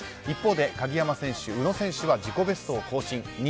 一方で鍵山選手、宇野選手は自己ベストを更新。